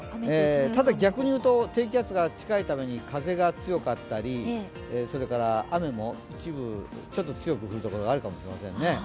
ただ逆に言うと低気圧が近いために風が強かったり雨も一部、ちょっと強く降る所があるかもしれませんね。